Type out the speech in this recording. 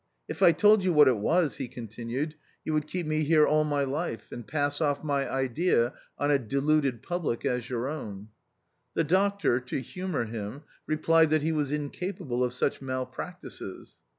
" If I told you what it was," he continued, "you would keep me here all THE OUTCAST. 13 my life, and pass off my idea on a deluded public as your own." The Doctor, to humour him, replied that he was incapable of such malpractices.